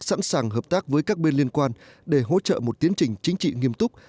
sẵn sàng hợp tác với các bên liên quan để hỗ trợ một tiến trình chính trị nghiêm túc